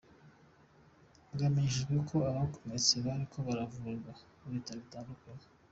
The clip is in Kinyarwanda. Bwamenyesheje ko abakomeretse bariko baravurigwa mu bitaro bitandukanye.